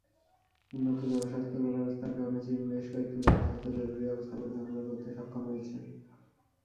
উন্নত জনস্বাস্থ্য ব্যবস্থার কারণে চীন বেশ কয়েকটি জনস্বাস্থ্য জরুরী অবস্থা পরিচালনা করতে সক্ষম হয়েছে।